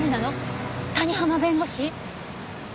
谷浜弁護士？